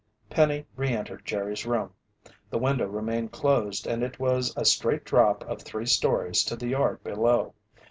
Penny re entered Jerry's room. The window remained closed and it was a straight drop of three stories to the yard below.